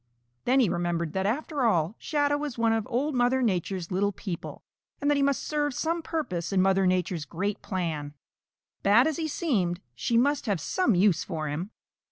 Then he remembered that after all Shadow was one of Old Mother Nature's little people, and that he must serve some purpose in Mother Nature's great plan. Bad as he seemed, she must have some use for him.